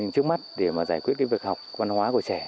trước mắt để giải quyết việc học văn hóa của trẻ